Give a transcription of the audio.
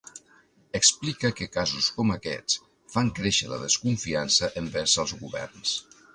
Explica que casos com aquests fan créixer la desconfiança envers els governs.